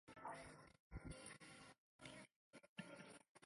牛津联凯特灵剑桥联曼联西布朗锡周三阿士东维拉